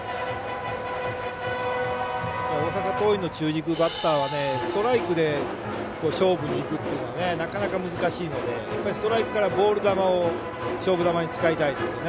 大阪桐蔭の中軸バッターはストライクで勝負にいくというのはなかなか、難しいのでストライクからボール球を勝負球に使いたいですよね。